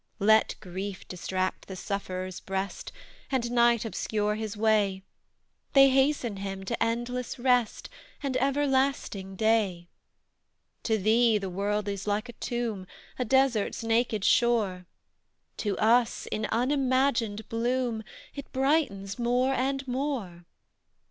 "Let grief distract the sufferer's breast, And night obscure his way; They hasten him to endless rest, And everlasting day. "To thee the world is like a tomb, A desert's naked shore; To us, in unimagined bloom, It brightens more and more!